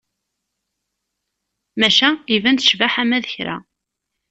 Maca iban tecbeḥ ama d kra.